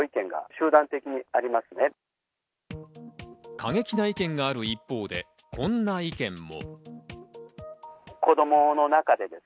過激な意見がある一方で、こんな意見も。